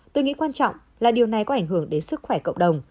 tôi nghĩ quan trọng là điều này có ảnh hưởng đến sức khỏe cộng đồng